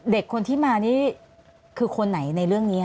เด็กคนที่มานี่คือคนไหนในเรื่องนี้